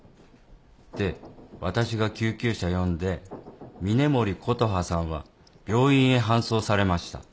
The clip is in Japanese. で私が救急車呼んで峰森琴葉さんは病院へ搬送されました。